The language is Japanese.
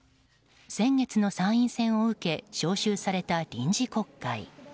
先月の参院選を受け招集された臨時国会。